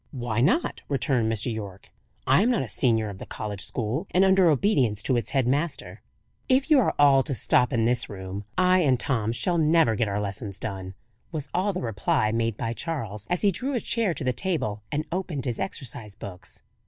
"Why not?" returned Mr. Yorke. "I am not a senior of the college school, and under obedience to its head master." "If you are all to stop in this room, I and Tom shall never get our lessons done," was all the reply made by Charles, as he drew a chair to the table and opened his exercise books.